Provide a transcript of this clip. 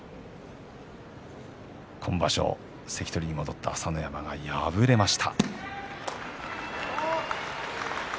今場所関取に戻った朝乃山が敗れました。